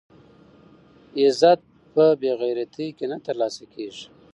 عزت په بې غیرتۍ کې نه ترلاسه کېږي.